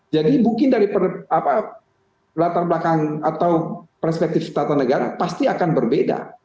jadi mungkin dari latar belakang atau perspektif tata negara pasti akan berbeda